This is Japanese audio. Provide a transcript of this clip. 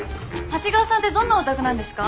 長谷川さんてどんなお宅なんですか？